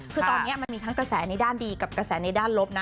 คือตอนนี้มันมีทั้งกระแสในด้านดีกับกระแสในด้านลบนะ